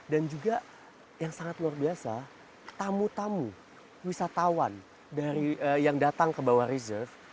dan juga yang sangat luar biasa tamu tamu wisatawan yang datang ke bawa reserve